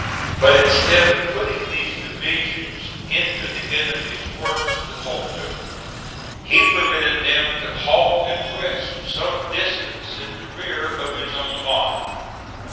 But instead of putting these divisions into the enemy's works to hold them, he permitted them to halt and rest some distance in the rear of his own line.